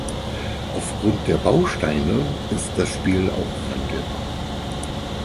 Auf Grund der Bausteine ist das Spiel auch wandelbar.